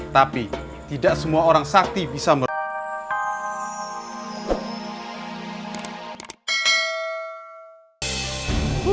tapi tidak semua orang sakti bisa merasakan